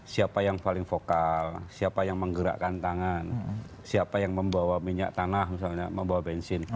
siapa yang paling vokal siapa yang menggerakkan tangan siapa yang membawa minyak tanah misalnya membawa bensin